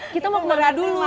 kita mau kemana dulu